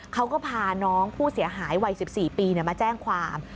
เขาก็พาน้องผู้เสียหายวัย๑๔ปีมาแจ้งความ